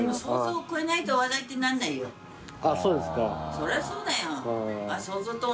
それはそうだよ。